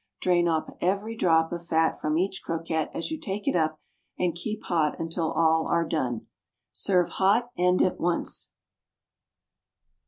Drain off every drop of fat from each croquette as you take it up, and keep hot until all are done. Serve hot and at once.